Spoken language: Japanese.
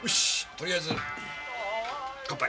とりあえず乾杯！